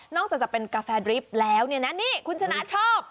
นอกจากจะเป็นกาแฟดริปแล้วนี่คุณชนะชอบ